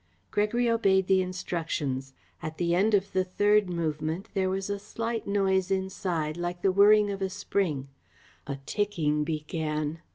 Gregory obeyed the instructions. At the end of the third movement there was a slight noise inside like the whirring of a spring. A ticking began.